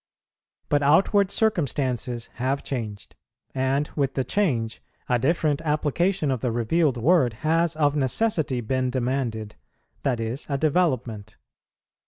But outward circumstances have changed, and with the change, a different application of the revealed word has of necessity been demanded, that is, a development.